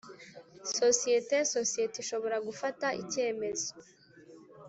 sosiyete Sosiyete ishobora gufata icyemezo